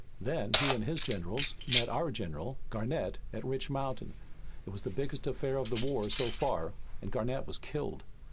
Then he and his generals met our general, Garnett, at Rich Mountain. It was the biggest affair of the war so far, and Garnett was killed.